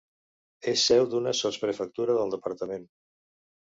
És seu d'una sotsprefectura del departament.